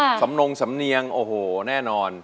สำนงสำเนียงโอ้โหแน่นอน